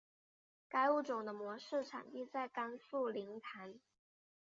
该物种的模式产地在甘肃临潭。